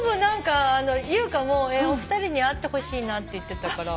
優香も「お二人に会ってほしいな」って言ってたから。